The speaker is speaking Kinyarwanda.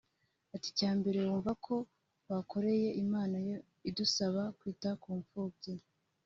Ati “Icya mbere wumva ko wakoreye Imana yo idusaba kwita ku mfubyi